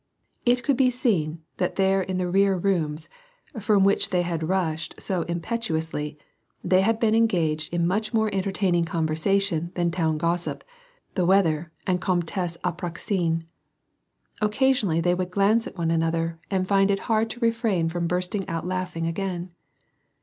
It could be seen that there in the rear rooms, from which they had rushed so impetuously, they had been engaged in much more 'iRntertaining conversation than town gossip, the weather and Comtesse Apraksine. Occasionally they would glance at one another and find it hard to refrain from bursting out laughing again.